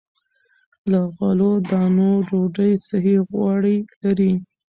له غلو- دانو ډوډۍ صحي غوړي لري.